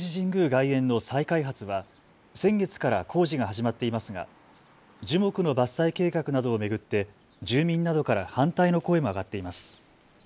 外苑の再開発は先月から工事が始まっていますが樹木の伐採計画などを巡って住民などから反対の声も上がっています。